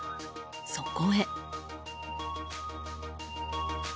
そこへ。